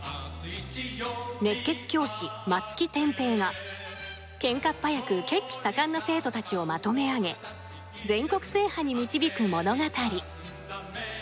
熱血教師松木天平がけんかっ早く血気盛んな生徒たちをまとめ上げ全国制覇に導く物語。